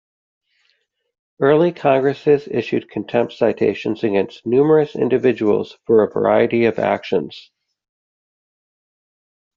Early Congresses issued contempt citations against numerous individuals for a variety of actions.